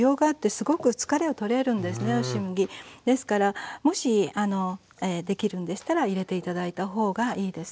ですからもしできるんでしたら入れて頂いた方がいいですね。